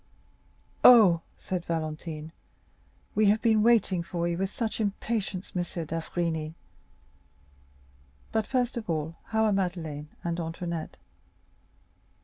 "Oh," said Valentine, "we have been waiting for you with such impatience, dear M. d'Avrigny. But, first of all, how are Madeleine and Antoinette?"